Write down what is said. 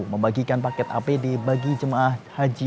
membagikan paket apd bagi jemaah haji